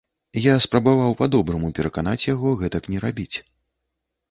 Я спрабаваў па-добраму пераканаць яго гэтак не рабіць.